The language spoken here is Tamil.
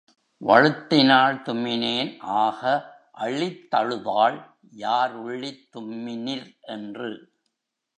வழுத்தினாள் தும்மினேன் ஆக அழித்தழுதாள் யார் உள்ளித் தும்மினிர் என்று.